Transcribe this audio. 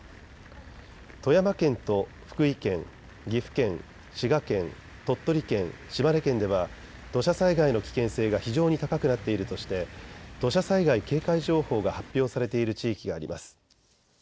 富山県と福井県、岐阜県、滋賀県、鳥取県、島根県では土砂災害の危険性が非常に高くなっているとして土砂災害警戒情報が発表されている地域があります。